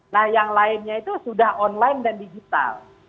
nah yang lainnya itu sudah online dan digital